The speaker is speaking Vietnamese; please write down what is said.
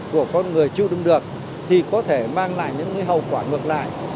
của con người chưa đứng được thì có thể mang lại những hậu quả ngược lại